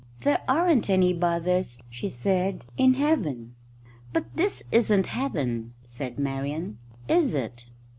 "There aren't any bothers," she said, "in Heaven." "But this isn't Heaven," said Marian, "is it?"